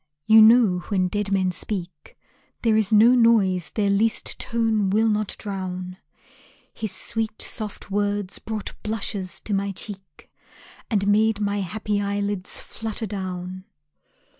You know when dead men speak There is no noise their least tone will not drown. His sweet soft words brought blushes to my cheek, And made my happy eyelids flutter down.